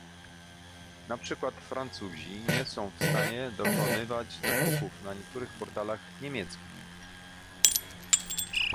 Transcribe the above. Na przykład, Francuzi nie są w stanie dokonywać zakupów na niektórych portalach niemieckich